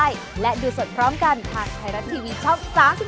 สวัสดีครับ